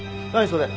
それ。